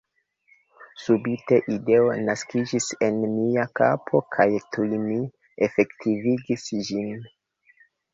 Subite ideo naskiĝis en mia kapo kaj tuj mi efektivigis ĝin.